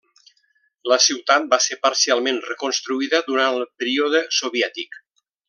La ciutat va ser parcialment reconstruïda durant el període soviètic.